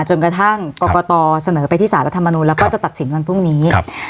จนกระทั่งกรกตเสนอไปที่สารรัฐมนุนแล้วก็จะตัดสินวันพรุ่งนี้ครับ